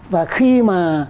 và khi mà